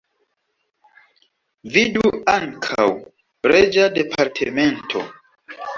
Vidu ankaŭ: Reĝa departemento.